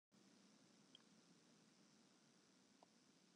Lotgenoaten hawwe mar in heal wurd nedich om dy te begripen.